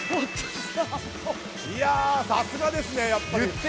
さすがですねやっぱり。